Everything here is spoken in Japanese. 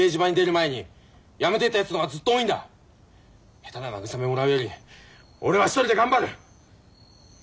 下手な慰めもらうより俺は一人で頑張る！